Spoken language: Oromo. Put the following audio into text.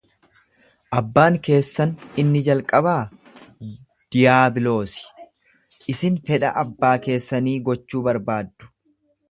Abbaan keessan inni jalqabaa Diyaabiloosi, isin fedha abbaa keessanii gochuu barbaaddu.